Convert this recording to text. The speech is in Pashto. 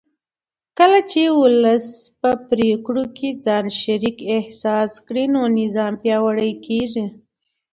کله چې ولس په پرېکړو کې ځان شریک احساس کړي نو نظام پیاوړی کېږي